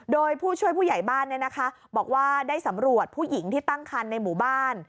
โดยผู้ช่วยผู้ใหญ่บ้านบอกว่าได้สำรวจผู้หญิงที่ตั้งคันในหมู่บ้าน